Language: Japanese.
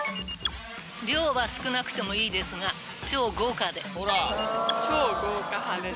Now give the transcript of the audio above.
量は少なくてもいいですが、超豪華派です。